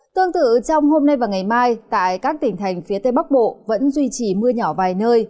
tương tự trong hôm nay và ngày mai tại các tỉnh thành phía tây bắc bộ vẫn duy trì mưa nhỏ vài nơi